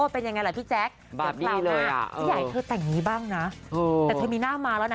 เป็นยังไงล่ะพี่แจ๊คเดี๋ยวคราวหน้าพี่อยากให้เธอแต่งนี้บ้างนะแต่เธอมีหน้ามาแล้วนะ